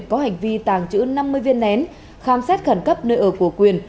có hành vi tàng trữ năm mươi viên nén khám xét khẩn cấp nơi ở của quyền